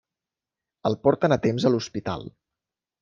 El porten a temps a l'hospital.